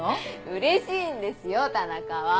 うれしいんですよ田中は。